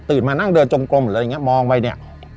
ตื่นมานั่งเดินจงกลมอะไรอย่างงี้มองไปเนี่ย